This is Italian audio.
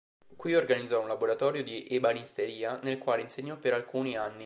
Qui organizzò un laboratorio di ebanisteria, nel quale insegnò per alcuni anni.